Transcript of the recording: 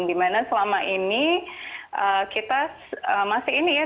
di mana selama ini kita masih ini ya